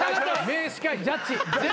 名司会ジャッジ。